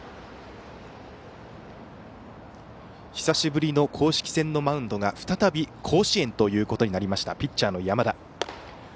久しぶりの公式戦のマウンドが再び甲子園ということになりましたピッチャーの山田。